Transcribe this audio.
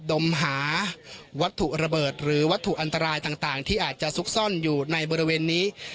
ดมหาวัตถุระเบิดหรือวัตถุอันตรายต่างที่อาจจะซุกซ่อนอยู่ในบริเวณนี้